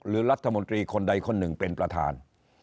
หรือรัฐมนตรีคนใดคนหนึ่งเป็นประธาน